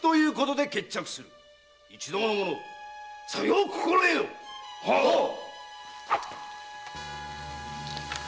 一同の者さよう心得よ！ははっ！